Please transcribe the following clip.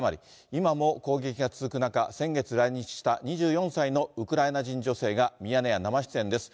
今も攻撃が続く中、先月来日した２４歳のウクライナ人女性がミヤネ屋生出演です。